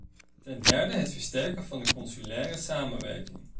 Ten derde het versterken van de consulaire samenwerking.